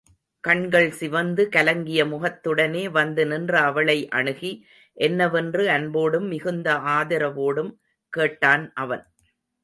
கண்கள் சிவந்து கலங்கிய முகத்துடனே வந்து நின்ற அவளை அணுகி, என்னவென்று அன்போடும் மிகுந்த ஆதரவோடும் கேட்டான் அவன்.